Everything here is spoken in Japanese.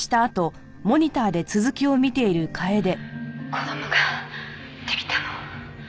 「子供が出来たの」